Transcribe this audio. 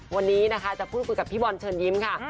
วันนี้นะคะจะพูดคุยกับพี่บอลเชิญยิ้มค่ะ